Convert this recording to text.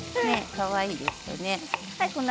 かわいいですよね。